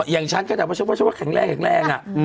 อย่างฉันก็แบบว่าฉันฉันว่าแข็งแรงอะ